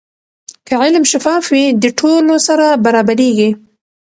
که علم شفاف وي، د ټولو سره برابریږي.